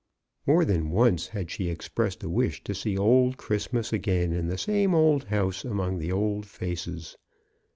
More than once had she expressed a wish to see old Christmas again in the old house among the old faces.